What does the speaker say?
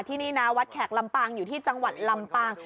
ที่นี่นะวัดแขกลำปางอยู่ที่จังหวัดลำปาง